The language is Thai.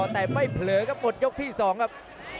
แต่ไม่เผลอครับหมดยกที่๒ครับ